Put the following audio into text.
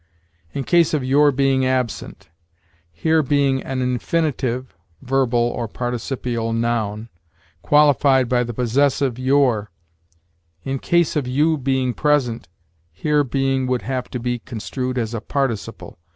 'In case of your being absent': here being is an infinitive [verbal, or participial, noun] qualified by the possessive your. 'In case of you being present': here being would have to be construed as a participle.